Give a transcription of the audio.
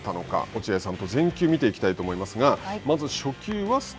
落合さんと全球見ていきたいと思いますが。